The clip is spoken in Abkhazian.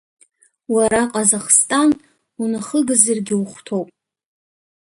Уара Ҟазахстан унахыгазаргьы ухәҭоуп.